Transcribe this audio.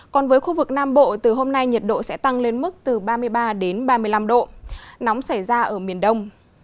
còn với khu vực nam bộ từ hôm nay nhiệt độ sẽ tăng lên mức từ ba mươi ba đến ba mươi năm độ nóng xảy ra ở miền đông